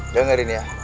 jangan gini ya